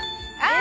あ！